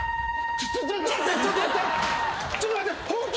ちょっと待って。